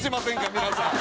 皆さん。